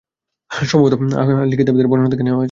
সম্ভবত তা আহলি কিতাবদের বর্ণনা থেকে নেওয়া হয়েছে।